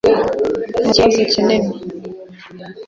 ntabwo ari ikibazo kinini